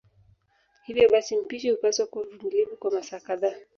Hivyo basi mpishi hupaswa kuwa mvumilivu kwa masaa kadhaa